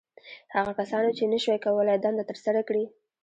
• هغه کسانو، چې نهشوی کولای دنده تر سره کړي.